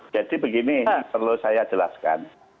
jadi begini yang perlu saya jelaskan